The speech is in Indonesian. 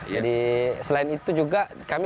jadi selain itu juga kami